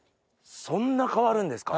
そんな変わるんですか？